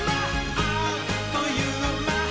あっというまっ！」